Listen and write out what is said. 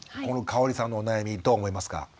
このかおりさんのお悩みどう思いますか。